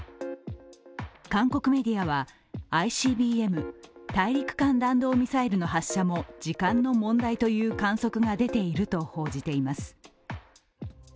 韓国メディアはＩＣＢＭ＝大陸間弾道ミサイルの発射も時間の問題という観測が出ていると報じています。